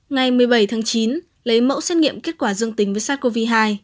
ngày một mươi bảy tháng chín lấy mẫu xét nghiệm kết quả dương tính với sars cov hai